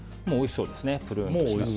もうおいしそうですね。